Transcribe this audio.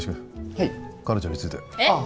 はい彼女についてえっ？